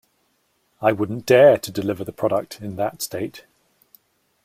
I wouldn't dare to deliver the product in that state.